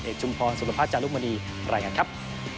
เอกจุมพรสุรพัชย์จานลูกมณีรายงานครับ